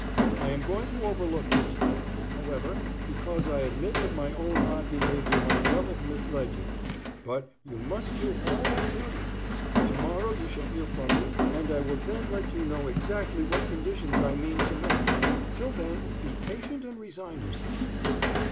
I am going to overlook this offense, however, because I admit that my own odd behavior might well have misled you; but you must do all I tell you. Tomorrow you shall hear from me and I will then let you know exactly what conditions I mean to make. Till then, be patient and resign yourself."